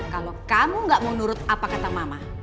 kalau kamu gak mau nurut apa kata mama